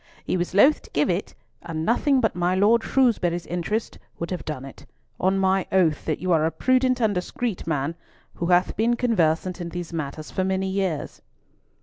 "He was loath to give it, and nothing but my Lord Shrewsbury's interest would have done it, on my oath that you are a prudent and discreet man, who hath been conversant in these matters for many years."